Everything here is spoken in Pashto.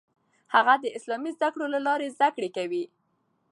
هغه د اسلامي زده کړو له لارې زده کړه کوي.